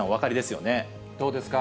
どうですか？